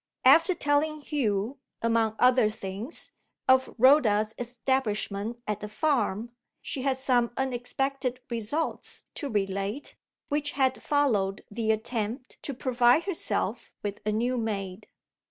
After telling Hugh (among other things) of Rhoda's establishment at the farm, she had some unexpected results to relate, which had followed the attempt to provide herself with a new maid.